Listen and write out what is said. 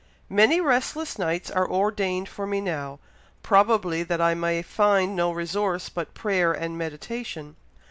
Many restless nights are ordained for me now, probably that I may find no resource but prayer and meditation.